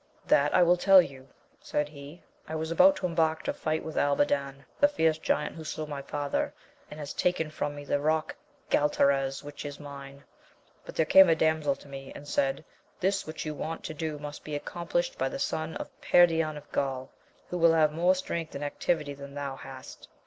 That I will tell you, said he. I was about to embark to fight with Albadan, the fierce giant who slew my father, and has taken from me the rock Galtares, which is mine ; but there came a damsel to me, and said, this which you want to do must be accomplished by the son of King Perion of Gaul, who will have more strength and activity than thou hast.